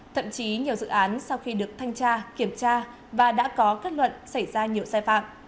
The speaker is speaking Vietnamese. thậm chí nhiều dự án sau khi được thanh tra kiểm tra và đã có kết luận xảy ra nhiều sai phạm